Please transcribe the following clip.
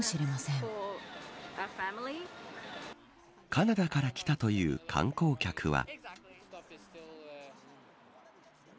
カナダから来たという観光客は。